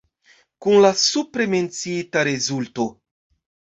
Kun la supre menciita rezulto.